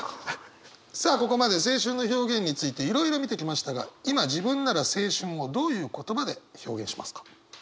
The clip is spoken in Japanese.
さあここまで青春の表現についていろいろ見てきましたが今自分なら青春をどういう言葉で表現しますか？